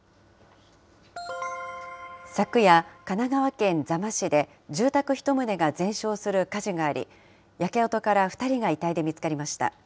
昨夜、神奈川県座間市で住宅１棟が全焼する火事があり、焼け跡から２人が遺体で見つかりました。